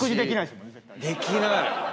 できない。